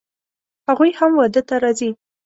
هغوی هم واده ته راځي